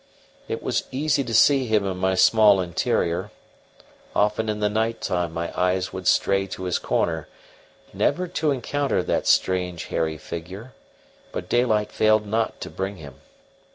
It was easy to see him in my small interior; often in the night time my eyes would stray to his corner, never to encounter that strange hairy figure; but daylight failed not to bring him.